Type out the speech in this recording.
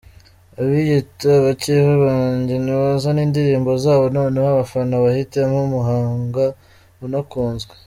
Abiyita abakeba banjye nibazane indirimbo zabo noneho abafana bahitemo umuhanga unakunzwe”.